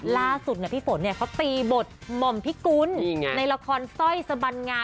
ล่าสุดพี่ฝนเขาตีบทหม่อมพิกุลในละครสร้อยสบันงา